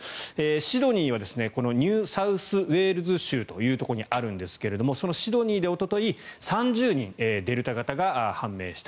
シドニーはニューサウスウェールズ州というところにあるんですけれどもそのシドニーでおととい３０人、デルタ型が判明した。